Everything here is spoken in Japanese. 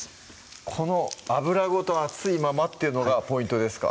この油ごと熱いままっていうのがポイントですか？